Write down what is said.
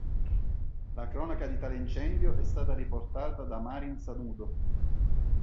La cronaca di tale incendio è stata riportata da Marin Sanudo.